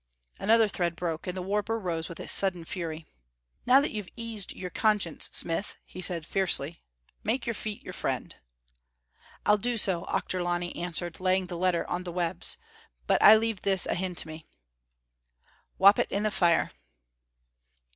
'" Another thread broke and the warper rose with sudden fury. "Now that you've eased your conscience, smith," he said, fiercely, "make your feet your friend." "I'll do so," Auchterlonie answered, laying the letter on the webs, "but I leave this ahint me." "Wap it in the fire."